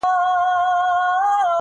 د ها بل يوه لكۍ وه سل سرونه!